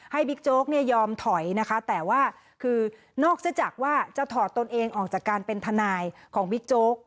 บิ๊กโจ๊กเนี่ยยอมถอยนะคะแต่ว่าคือนอกจากว่าจะถอดตนเองออกจากการเป็นทนายของบิ๊กโจ๊ก